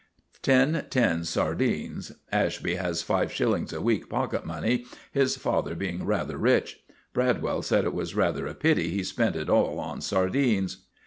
Ten tins sardines. (Ashby has five shillings a week pocket money, his father being rather rich. Bradwell said it was rather a pity he spent it all in sardines.)